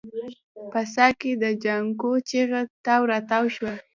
په څاه کې د جانکو چيغه تاو راتاو شوه.